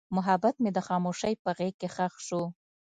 محبت مې د خاموشۍ په غېږ کې ښخ شو.